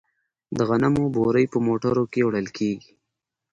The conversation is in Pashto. د غنمو بورۍ په موټرو کې وړل کیږي.